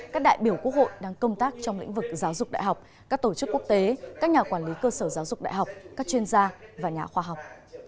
các đại biểu quốc hội đang công tác trong lĩnh vực giáo dục đại học các tổ chức quốc tế các nhà quản lý cơ sở giáo dục đại học các chuyên gia và nhà khoa học